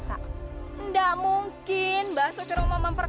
maafkan putri saya mbak